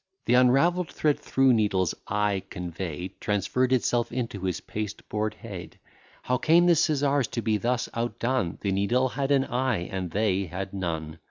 Th' unravell'd thread through needle's eye convey'd, Transferr'd itself into his pasteboard head. How came the scissars to be thus outdone? The needle had an eye, and they had none.